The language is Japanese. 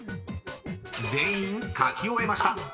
［全員書き終えました］